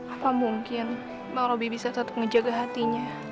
apa mungkin bang robby bisa satu pengejaga hatinya